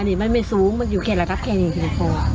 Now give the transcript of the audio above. อันนี้มันไม่สูงมันอยู่แค่ระดับแค่ในกระสือโคม